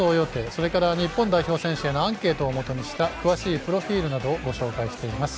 それから日本代表選手へのアンケートをもとにした詳しいプロフィールなどをご紹介しています。